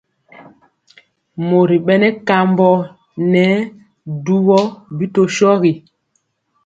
Mori bɛnɛ kambɔ ŋɛɛ dubɔ bi tɔ shogi.